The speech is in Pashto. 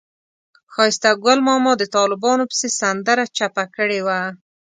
ښایسته ګل ماما د طالبانو پسې سندره سرچپه کړې وه.